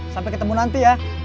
sampai ketemu nanti ya